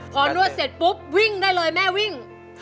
พอนวดเสร็จปุ๊บวิ่งได้เลยแม่วิ่ง